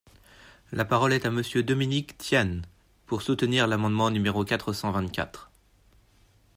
La parole est à Monsieur Dominique Tian, pour soutenir l’amendement numéro quatre cent vingt-quatre.